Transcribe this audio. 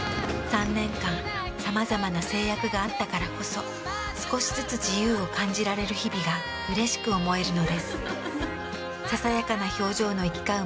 ３年間さまざまな制約があったからこそ少しずつ自由を感じられる日々がうれしく思えるのです。